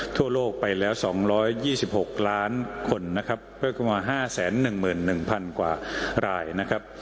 ทั่วโลกไปแล้ว๒๒๖ล้านคนนะครับเพิ่มขึ้นมา๕๑๑๐๐๐กว่ารายนะครับ